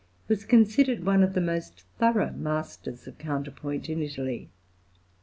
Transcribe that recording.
was considered one of the most thorough masters of counterpoint in Italy.